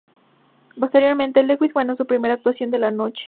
Posteriormente, Lewis ganó su primera "Actuación de la Noche".